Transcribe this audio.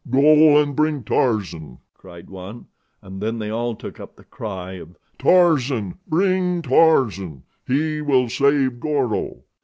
"Go and bring Tarzan," cried one, and then they all took up the cry of "Tarzan!" "Bring Tarzan!" "He will save Goro."